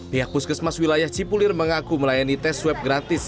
pihak puskesmas wilayah cipulir mengaku melayani tes swab gratis